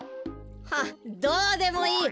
はっどうでもいい。